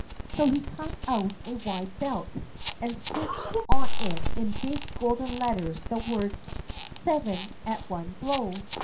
So he cut out a wide belt, and stitched on it in big golden letters the words "Seven at one blow."